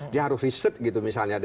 dia harus riset gitu misalnya